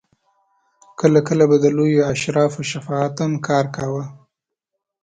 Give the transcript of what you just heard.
کله کله به د لویو اشرافو شفاعت هم کار کاوه.